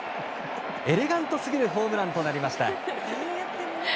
エレガントすぎるホームランとなりました。